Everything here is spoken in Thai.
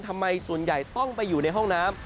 ทำไมส่วนใหญ่ต้องไปอยู่ในห้องน้ำ